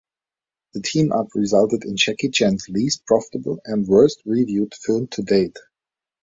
The team-up resulted in Jackie Chan's least profitable and worst reviewed film to date.